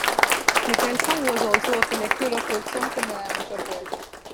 Metelko was also a collector of folk songs and an amateur poet.